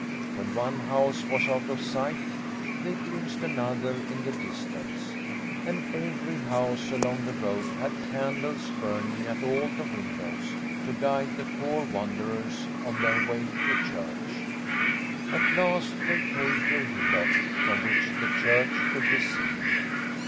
When one house was out of sight, they glimpsed another in the distance, and every house along the road had candles burning at all the windows, to guide the poor wanderers on their way to church. At last they came to a hillock, from which the church could be seen.